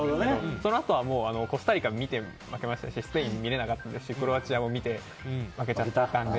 そのあと、コスタリカ見て負けましたしスペインは見れなかったしクロアチアは見て負けちゃったという感じで。